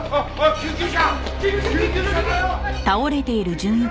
救急車！